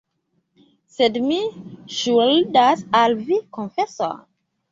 Sed mi ŝuldas al vi konfeson.